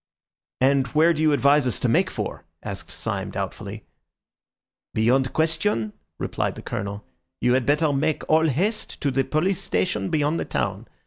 "And where do you advise us to make for?" asked Syme doubtfully. "Beyond question," replied the Colonel, "you had better make all haste to the police station beyond the town.